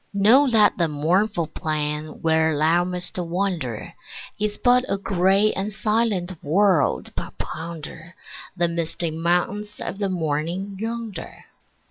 Know that the mournful plain where thou must wander Is but a gray and silent world, but ponder The misty mountains of the morning yonder.